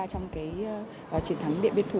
trong chiến thắng điện biên phủ